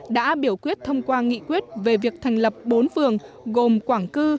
đã biểu quyết thông qua nghị quyết về việc thành lập bốn phường gồm quảng cư